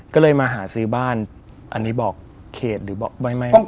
ก็เลยมาหาซื้อบ้านอันนี้บอกเขตหรือบอกไม่